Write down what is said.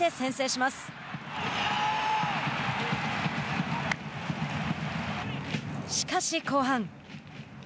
しかし後半。